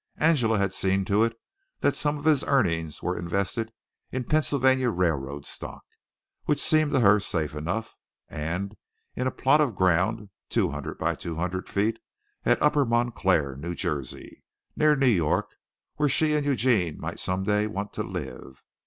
Angela had seen to it that some of his earnings were invested in Pennsylvania Railroad stock, which seemed to her safe enough, and in a plot of ground two hundred by two hundred feet at Upper Montclair, New Jersey, near New York, where she and Eugene might some day want to live.